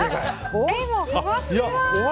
でも、ふわっふわ。